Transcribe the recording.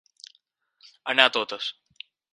Anar a totes.